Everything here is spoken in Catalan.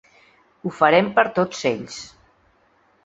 Ho farem per tots ells.